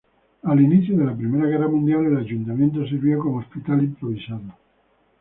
Al inicio de la Primera Guerra Mundial, el ayuntamiento sirvió como hospital improvisado.